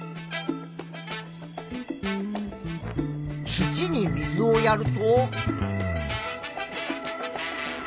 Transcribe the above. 土に水をやると。